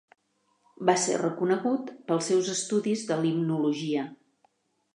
Va ser reconegut pels seus estudis de limnologia.